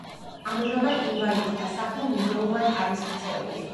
ამჟამად ინვალიდთა სახლი მუზეუმად არის ქცეული.